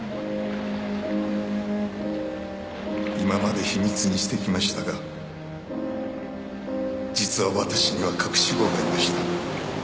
今まで秘密にしてきましたが実は私には隠し子がいました。